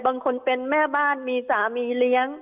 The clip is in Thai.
เป็นคนเป็นแม่บ้านมีสามีเลี้ยง